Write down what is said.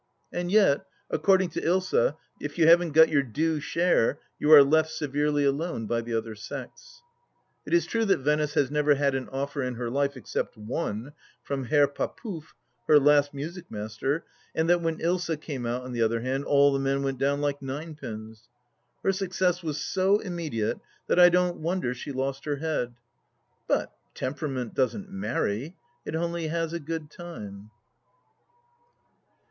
And yet, according to Ilsa, if you haven't got your due share, you are left severely alone by the other sex. It is true that Venice has never had an offer in her life except one — from Herr Papoof, her last music master ; and that when Ilsa came out, on the other hand, all the men went down like ninepins. Her success was so immediate, that I don't wonder she lost her head. But temperament doesn't many —• it only has a good time.